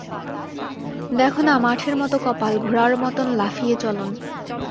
দেখ না মাঠের মতো কপাল, ঘোড়ার মতন লাফিয়ে চলন!